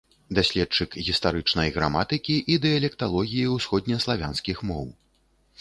Даследчык гістарычнай граматыкі і дыялекталогіі ўсходне-славянскіх моў.